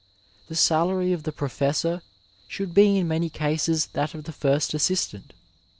The salary of the professor should be in many cases that of the first assistant.